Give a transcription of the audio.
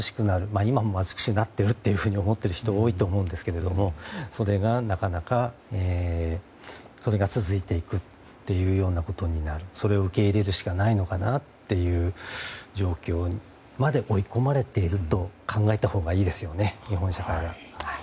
今も貧しくなってると思っている人も多いと思うんですけどもそれが続いていくというようなことになるとそれを受け入れるしかないのかなという状況まで追い込まれていると考えたほうがいいですよね、日本社会は。